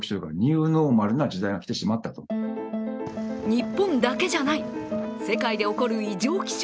日本だけじゃない、世界で起こる異常気象。